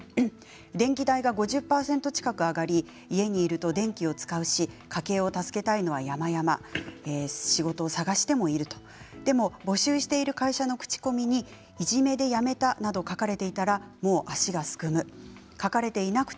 電気代が５０％近く上がり家にいると電気を使うし家計を助けたいのは山々仕事を探していますが募集している会社の口コミにいじめでやめたと書かれていたら足がすくみます。